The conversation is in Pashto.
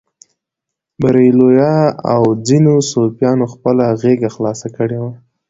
بریلویه او ځینو صوفیانو خپله غېږه خلاصه کړې وه.